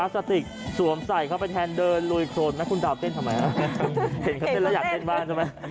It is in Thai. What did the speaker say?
สุดท้ายต้องเอาถุงสวมรองเท้าอีกทีหนึ่ง